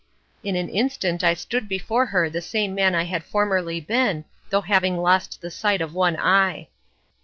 In an instant I stood before her the same man I had formerly been, though having lost the sight of one eye.